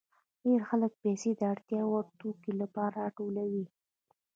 ډېر خلک پیسې د اړتیا وړ توکو لپاره راټولوي